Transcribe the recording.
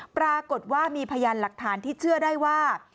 ปรากฏว่ามีพยานหลักฐานที่เชื่อได้ว่า